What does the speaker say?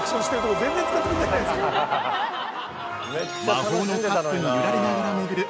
◆魔法のカップに揺られながら巡る